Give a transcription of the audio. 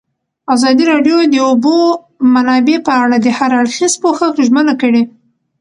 ازادي راډیو د د اوبو منابع په اړه د هر اړخیز پوښښ ژمنه کړې.